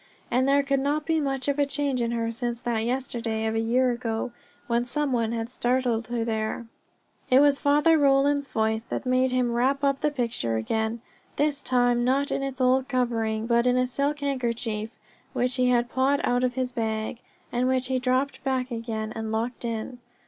And there could not be much of a change in her since that yesterday of a year ago, when some one had startled her there. It was Father Roland's voice that made him wrap up the picture again, this time not in its old covering, but in a silk handkerchief which he had pawed out of his bag, and which he dropped back again, and locked in.